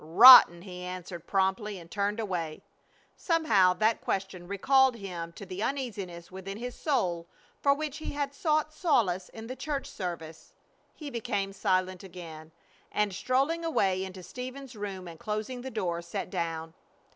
"Rotten!" he answered, promptly, and turned away. Somehow that question recalled him to the uneasiness within his soul for which he had sought solace in the church service. He became silent again, and, strolling away into Stephen's room and closing the door, sat down.